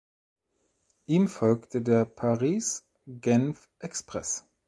Ihm folgte der "Paris–Genf-Express".